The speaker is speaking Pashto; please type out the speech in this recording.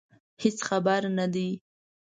هېڅ خبر نه دي.